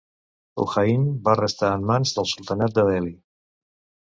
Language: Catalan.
Ujjain va restar en mans del sultanat de Delhi.